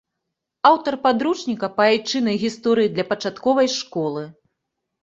Аўтар падручніка па айчыннай гісторыі для пачатковай школы.